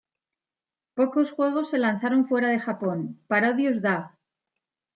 Pocos juegos se lanzaron fuera de Japón: "Parodius Da!